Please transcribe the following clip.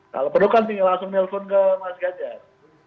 kalau perlu kan tinggal langsung nelfon ke mas ganjar